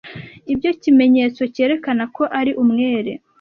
Ibyo kimenyetso cyerekana ko ari umwere.